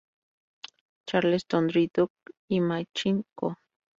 Charleston Dry Dock y Machine Co.